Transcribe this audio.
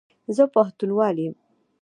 زه پوهنتون وایم